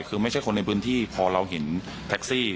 คือไม่ใช่คนในพื้นที่พอเราเห็นแท็กซี่